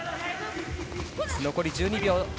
残り１２秒。